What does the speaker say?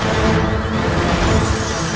ini mah aneh